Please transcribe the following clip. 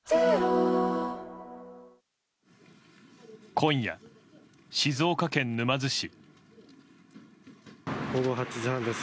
今夜、静岡県沼津市。